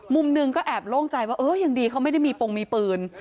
มุมหนึ่งก็แอบโล่งใจว่าเออยังดีเขาไม่ได้มีปงมีปืน